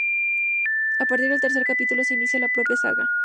A partir del tercer capítulo se inicia la propia saga.